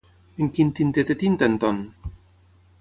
En quin tinter té tinta en Ton?